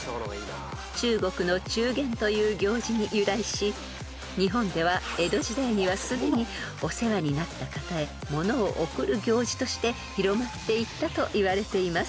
［中国の中元という行事に由来し日本では江戸時代にはすでにお世話になった方へ物を贈る行事として広まっていったといわれています］